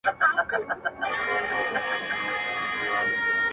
له اورنګه یې عبرت نه وو اخیستی،